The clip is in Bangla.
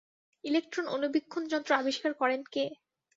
ইলেকট্রন অণুবীক্ষণযন্ত্র আবিষ্কার করেন কে?